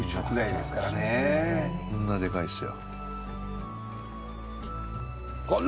こんなでかいですよ。